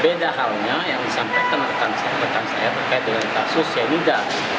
beda halnya yang sampai kenakan saya terkait dengan kasus yang tidak